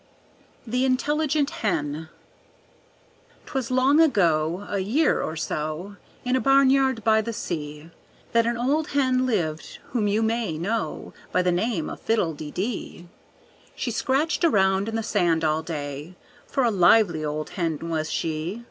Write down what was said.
The Intelligent Hen 'Twas long ago, a year or so, In a barnyard by the sea, That an old hen lived whom you may know By the name of Fiddle de dee. She scratched around in the sand all day, For a lively old hen was she.